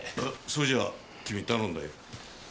そいじゃ君頼んだよ。